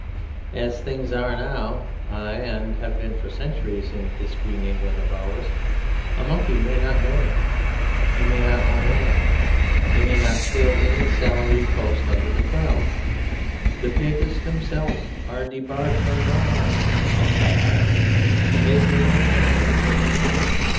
As things now are aye! and have been for centuries in this green England of ours a Monkey may not marry; he may not own land; he may not fill any salaried post under the Crown. The Papists themselves are debarred from no honour (outside Ireland) save the Lord Chancellorship.